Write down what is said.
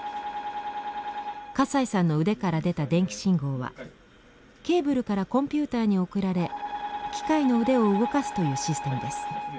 笠井さんの腕から出た電気信号はケーブルからコンピューターに送られ機械の腕を動かすというシステムです。